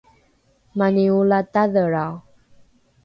mani olatadhelrao